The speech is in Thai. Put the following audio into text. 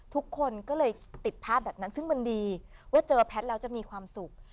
ทุกคนก็เลยติดภาพแบบนั้นซึ่งมันดีว่าเจอแพทย์แล้วจะมีความสุข